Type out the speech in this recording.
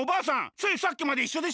ついさっきまでいっしょでしたよ！